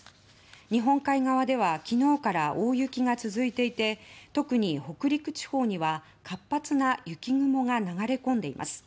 日本海側では昨日から大雪が続いていて特に北陸地方には活発な雪雲が流れ込んでいます。